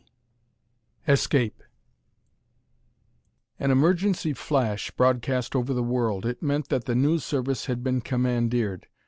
An emergency flash broadcast over the world! It meant that the News Service had been commandeered.